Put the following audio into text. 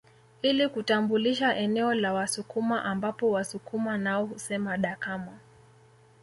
Ili kutambulisha eneo la Wasukuma ambapo Wasukuma nao husema Dakama